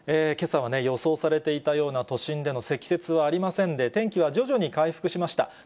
けさはね、予想されていたような都心での積雪はありませんで、天気は徐々に回復しました。